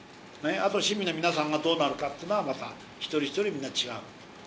あとは市民の皆さんがどうなるかっていうのはまた一人一人みんな違う。